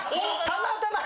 たまたま！